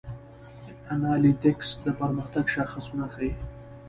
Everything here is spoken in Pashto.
انالیتکس د پرمختګ شاخصونه ښيي.